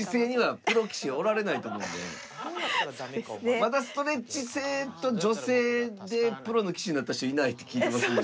まだストレッチ星と女性でプロの棋士になった人いないって聞いてますので。